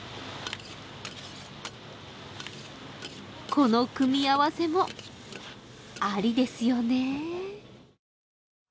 この組み合わせもありですよね。